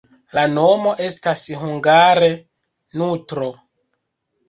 La nomo estas hungare: nutro.